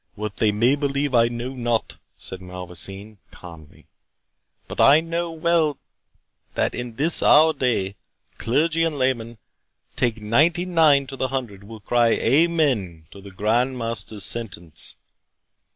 "What they may believe, I know not," said Malvoisin, calmly; "but I know well, that in this our day, clergy and laymen, take ninety nine to the hundred, will cry 'amen' to the Grand Master's sentence."